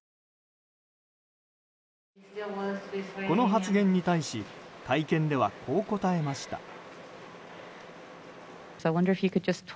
この発言に対し会見ではこう答えました。